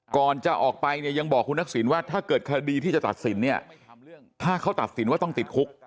ก่อนจะออกไปเนี่ยยังบอกคุณทักษิณว่าถ้าเกิดคดีที่จะตัดสินเนี่ยถ้าเขาตัดสินว่าต้องติดคุก